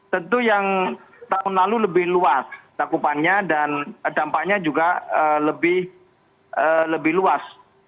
tentu yang tahun lalu lebih luas cakupannya dan dampaknya juga lebih luas